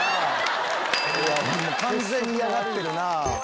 完全に嫌がってるなぁ。